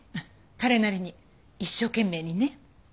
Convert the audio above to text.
彼なりに一生懸命にね。